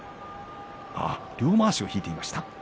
両まわしを引いていました